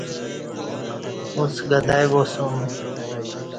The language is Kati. اڅ گدائی باسوم